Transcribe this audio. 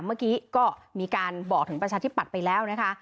เมื่อกี้ก็มีการบอกถึงประชาธิปัตย์ไปแล้วนะคะ